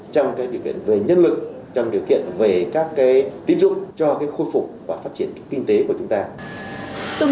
trong điều kiện về nhân lực trong điều kiện về các tín dụng cho khôi phục và phát triển kinh tế của chúng ta